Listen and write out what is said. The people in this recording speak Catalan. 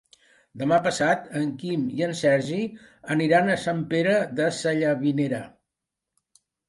Demà passat en Quim i en Sergi aniran a Sant Pere Sallavinera.